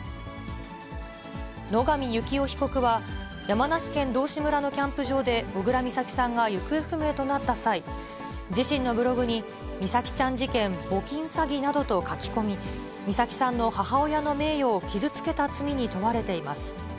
野上幸雄被告は、山梨県道志村のキャンプ場で小倉美咲さんが行方不明となった際、自身のブログに美咲ちゃん事件募金詐欺などと書き込み、美咲さんの母親の名誉を傷つけた罪に問われています。